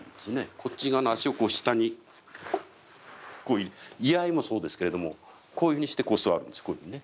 こっち側の足をこう下にこう居合もそうですけれどもこういうふうにしてこう座るんですこういうふうにね。